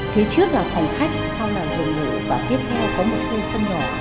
phía trước là phòng khách sau là rộng rộng và tiếp theo có một khu sân nhỏ